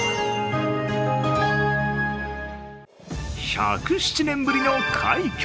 １０７年ぶりの快挙。